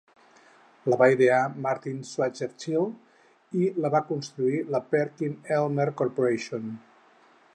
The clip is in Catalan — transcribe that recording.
La va idear Martin Schwarzschild i la va construir la Perkin Elmer Corporation.